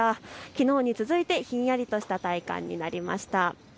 きのうに続いて、ひんやりとした体感になりました。